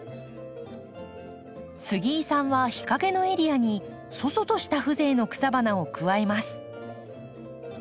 杉井さんは日陰のエリアに楚々とした風情の草花を加えます。